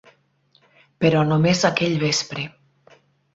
Però només aquell vespre.